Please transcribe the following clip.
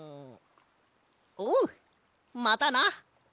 おうまたな！